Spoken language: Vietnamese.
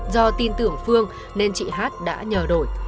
do tin tưởng phương nên chị hát đã nhờ đổi